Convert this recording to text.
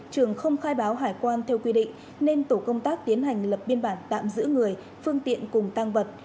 trường không khai báo hải quan theo quy định nên tổ công tác tiến hành lập biên bản tạm giữ người phương tiện cùng tăng vật